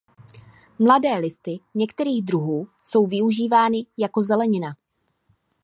Mladé listy některých druhů jsou využívány jako zelenina.